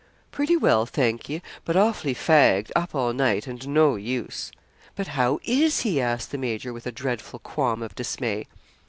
'Pretty well, thank ye, but awfully fagged up all night, and no use.' 'But how is he?' asked the major, with a dreadful qualm of dismay.